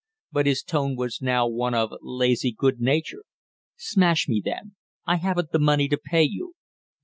But his tone was now one of lazy good nature. "Smash me then; I haven't the money to pay you."